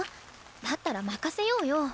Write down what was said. だったら任せようよ。